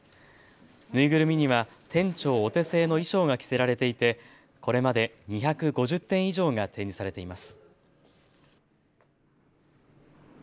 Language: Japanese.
縫いぐるみには店長お手製の衣装が着せられていてこれまで２５０点以上が展示されています。